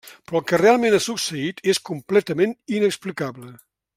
Però el que realment ha succeït és completament inexplicable.